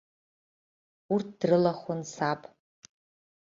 Урҭ дрылахәын саб.